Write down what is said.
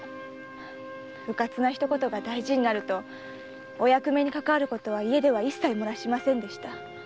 うかつな一言が大事になるとお役目にかかわることは家では一切漏らしませんでした。